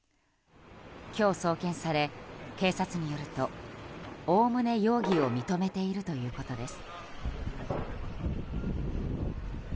今日送検され、警察によるとおおむね容疑を認めているということです。